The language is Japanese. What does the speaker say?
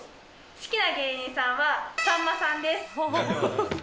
好きな芸人さんは、さんまさんです。